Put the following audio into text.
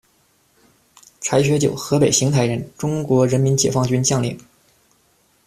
柴学久，河北邢台人，中国人民解放军将领。